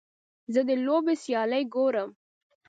زه د لوبې سیالۍ ګورم.